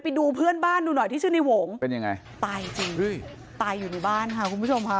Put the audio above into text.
ไปดูเพื่อนบ้านดูหน่อยที่ชื่อในโหงเป็นยังไงตายจริงจริงตายอยู่ในบ้านค่ะคุณผู้ชมค่ะ